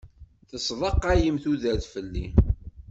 Tesḍaqayem tudert fell-i.